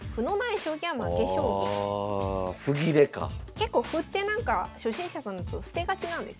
結構歩ってなんか初心者さんだと捨てがちなんですよ。